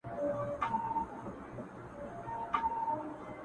زه د ژوند په شکايت يم؛ ته له مرگه په شکوه يې؛